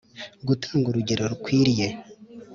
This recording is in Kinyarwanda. gutanga urugero rukwiriye